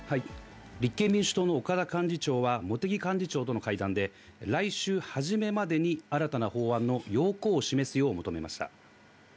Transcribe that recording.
立憲民主党の岡田幹事長は、茂木幹事長との会談で、来週初めまでに新たな法案の要綱を示すよう求めました。